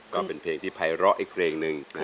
ก็เป็นเพลงที่ไพร่เลาะอีกเรงหนึ่งนะครับ